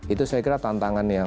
itu saya kira tantangan yang